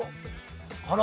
あら。